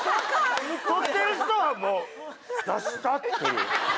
撮ってる人はもう「出した」っていう。